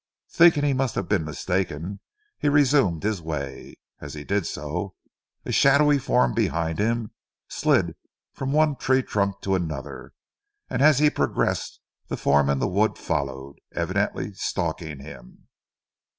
Thinking he must have been mistaken, he resumed his way. As he did so, a shadowy form behind him slid from one tree trunk to another; and as he progressed the form in the wood followed, evidently stalking him.